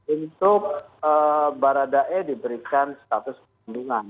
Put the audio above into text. untuk barat dae diberikan status perlindungan